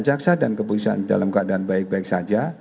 jaksa dan kepolisian dalam keadaan baik baik saja